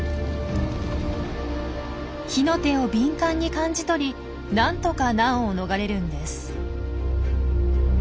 火の手を敏感に感じ取り何とか難を逃れるんです。